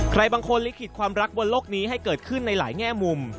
ใครบางคนลิขิตความรักบนโลกนี้ให้เกิดขึ้นในหลายแง่มุม